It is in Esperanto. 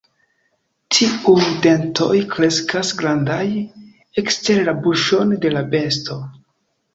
Tiuj dentoj kreskas grandaj, ekster la buŝon de la besto.